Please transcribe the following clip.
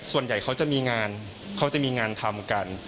ส่วนใหญ่เขาจะมีงานทำกัน